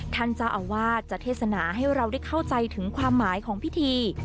ท่านเจ้าอาวาสจะเทศนาให้เราได้เข้าใจถึงความหมายของพิธี